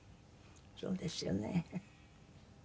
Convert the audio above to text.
そうですよね。